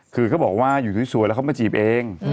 คือเขาบอกว่าอยู่สวยแล้วเขามาจีบเอง